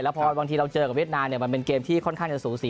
พอบางทีเราเจอกับเวียดนามมันเป็นเกมที่ค่อนข้างจะสูสี